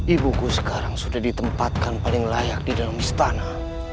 ibuku sekarang sudah ditempatkan paling layak di dalam istana